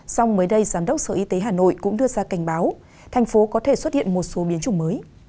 song mới đây giám đốc sở y tế hà nội cũng đưa ra cảnh báo thành phố có thể xuất hiện một số biến chủng mới